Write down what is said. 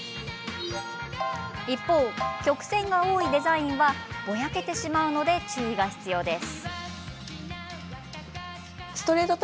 一方、曲線が多いデザインはぼやけてしまうので注意が必要です。